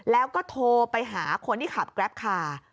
แล้วก็โทรไปหาคนที่ขับแกรปคาร์